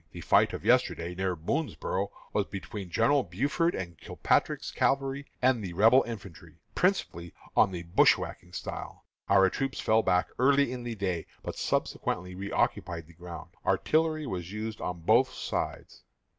The fight of yesterday, near Boonsboro', was between Generals Buford and Kilpatrick's cavalry and Rebel infantry, principally on the bushwhacking style. Our troops fell back early in the day, but subsequently reoccupied the ground. Artillery was used on both sides.